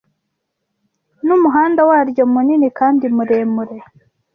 n’umuhunda waryo munini kandi muremure.